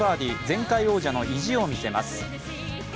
前回王者の意地を見せます。